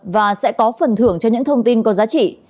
và sẽ có phần thưởng cho những thông tin có giá trị